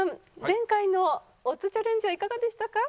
前回のオッズチャレンジはいかがでしたか？